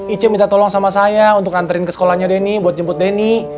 ic minta tolong sama saya untuk nganterin ke sekolahnya denny buat jemput denny